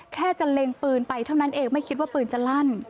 แค่จะเล็งปืนไปเท่านั้นเองไม่คิดว่าปืนจะลั่น